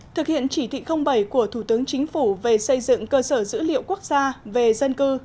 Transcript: thực hiện chỉ thị bảy của thủ tướng chính phủ về xây dựng cơ sở dữ liệu quốc gia về dân cư